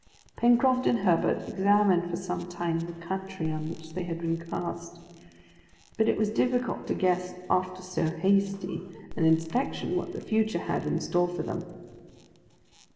Pencroft and Herbert examined for some time the country on which they had been cast; but it was difficult to guess after so hasty an inspection what the future had in store for them.